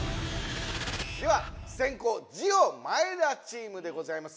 では先攻ジオ前田チームでございます。